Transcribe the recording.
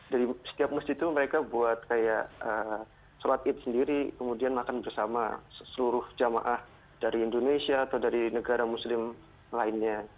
dari setiap masjid itu mereka buat kayak sholat id sendiri kemudian makan bersama seluruh jamaah dari indonesia atau dari negara muslim lainnya